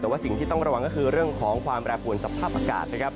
แต่ว่าสิ่งที่ต้องระวังก็คือเรื่องของความแปรปวนสภาพอากาศนะครับ